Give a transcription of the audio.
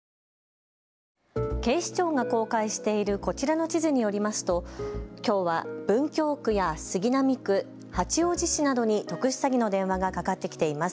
警視庁が公開しているこちらの地図によりますときょうは文京区や杉並区、八王子市などに特殊詐欺の電話がかかってきています。